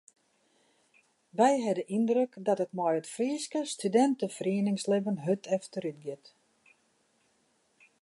Wy ha de yndruk dat it mei it Fryske studinteferieningslibben hurd efterútgiet.